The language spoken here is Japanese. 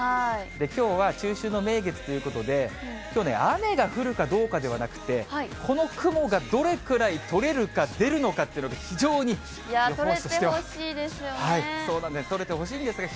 きょうは中秋の名月ということで、きょうね、雨が降るかどうかではなくて、この雲がどれくらい取れるか出るのかっていうのが、取れてほしいですよね。